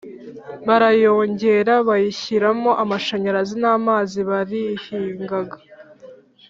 barayongera, bayishyiramo amashanyarazi n’amazi. Barahingaga